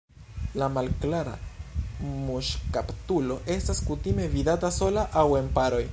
La Malklara muŝkaptulo estas kutime vidata sola aŭ en paroj.